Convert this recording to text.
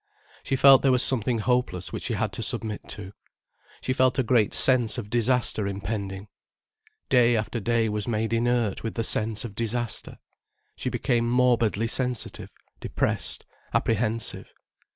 She felt there was something hopeless which she had to submit to. She felt a great sense of disaster impending. Day after day was made inert with a sense of disaster. She became morbidly sensitive, depressed, apprehensive.